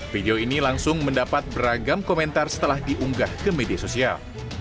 video ini langsung mendapat beragam komentar setelah diunggah ke media sosial